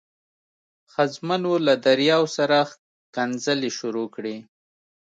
ښځمنو له دریاو سره ښکنځلې شروع کړې.